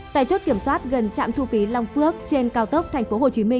tại chốt kiểm soát gần trạm thu phí long phước trên cao tốc tp hcm